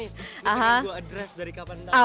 ini yang gue address dari kapan tadi